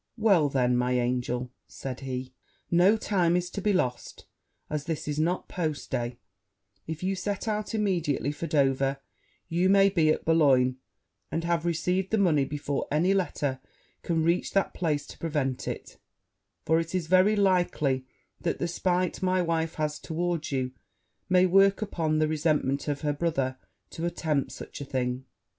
'Well, then, my angel,' said he, 'no time is to be lost: as this is not post day, if you set out immediately for Dover, you may be at Bologne, and have received the money before any letter can reach that place to prevent it; for it is very likely that the spite my wife has towards you, may work upon the resentment of her brother to attempt such a thing.'